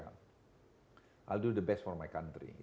saya akan melakukan yang terbaik untuk negara saya